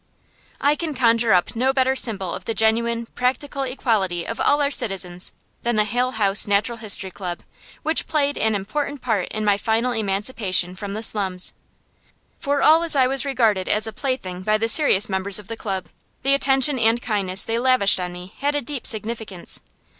I can conjure up no better symbol of the genuine, practical equality of all our citizens than the Hale House Natural History Club, which played an important part in my final emancipation from the slums. For all I was regarded as a plaything by the serious members of the club, the attention and kindness they lavished on me had a deep significance.